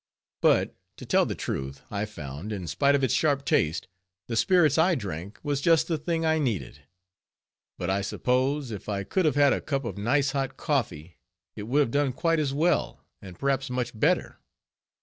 But to tell the truth, I found, in spite of its sharp taste, the spirits I drank was just the thing I needed; but I suppose, if I could have had a cup of nice hot coffee, it would have done quite as well, and perhaps much better.